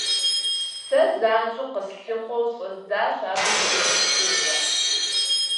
Сэ занщӀэу къэслъыхъуэу щӀэздзащ абы и хущхъуэгъуэ.